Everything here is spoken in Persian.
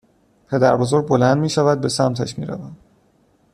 پدربزرگ بلند میشود. به سمتش میرود